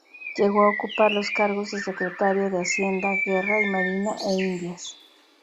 Llegó a ocupar los cargos de secretario de Hacienda, Guerra y Marina e Indias.